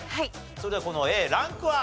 それではこのＡランクは？